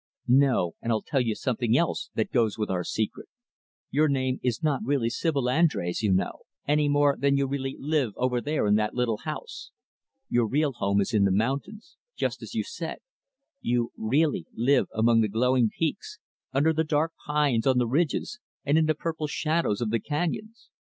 "No, and I'll tell you something else that goes with our secret. Your name is not really Sibyl Andrés, you know any more than you really live over there in that little house. Your real home is in the mountains just as you said you really live among the glowing peaks, under the dark pines, on the ridges, and in the purple shadows of the canyons.